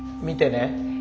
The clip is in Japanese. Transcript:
見てね。